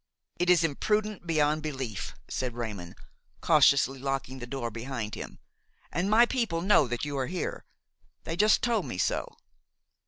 "It is imprudent beyond belief!" said Raymon, cautiously locking the door behind him; "and my people know that you are here! They just told me so."